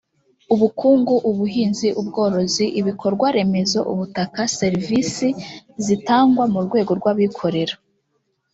ubukungu ubuhinzi ubworozi ibikorwaremezo ubutaka servisi zitangwa mu rwego rw abikorera